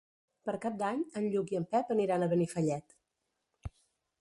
Per Cap d'Any en Lluc i en Pep aniran a Benifallet.